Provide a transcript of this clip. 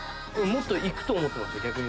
もっといくと思ってました逆に。